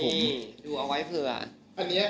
ดูเอาไว้เผื่อ